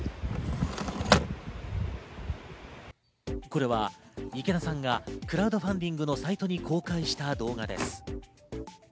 これは池田さんがクラウドファンディングのサイトに公開した動画です。